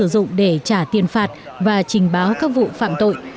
các robot này cũng có thể được sử dụng để trả tiền phạt và trình báo các vụ phạm tội